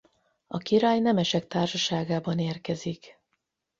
A király nemesek társaságában érkezik.